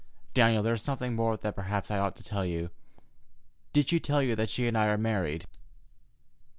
"Daniel, there is something more that perhaps I ought to tell you. Did she tell you that she and I are married?"